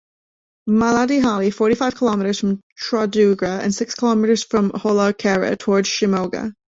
Malladihalli: Forty five kilometers from Chitradurga, and six kilometers from Holalkere, towards Shimoga.